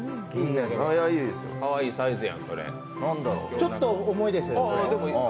ちょっと重いです。